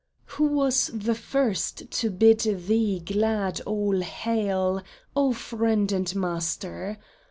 Who was the first to bid thee glad all hail, O friend and master